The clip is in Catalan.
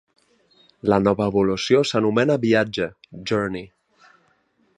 La nova evolució s'anomena Viatge (Journey).